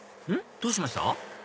どうしました？